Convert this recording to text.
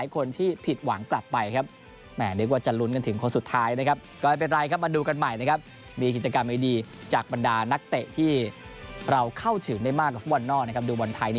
อย่างฟิลิปปินส์ในครั้งที่๓๐ซึ่งจัดแข่งขันในปี๒๖๖๒